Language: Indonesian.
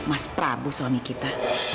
mas prabu suami kita